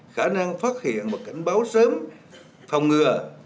khả năng phát hiện và cảnh báo sớm phòng ngừa